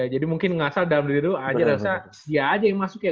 jadi mungkin ngasal dalam diri lu aja rasa dia aja yang masuk ya